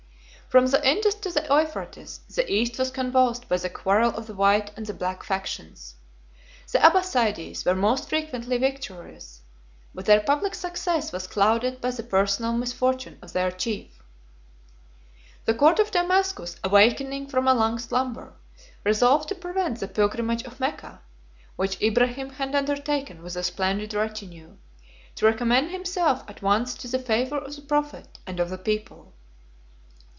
From the Indus to the Euphrates, the East was convulsed by the quarrel of the white and the black factions: the Abbassides were most frequently victorious; but their public success was clouded by the personal misfortune of their chief. The court of Damascus, awakening from a long slumber, resolved to prevent the pilgrimage of Mecca, which Ibrahim had undertaken with a splendid retinue, to recommend himself at once to the favor of the prophet and of the people.